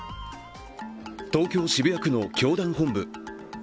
東京・渋谷区の教団本部。